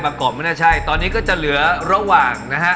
กรอบไม่น่าใช่ตอนนี้ก็จะเหลือระหว่างนะฮะ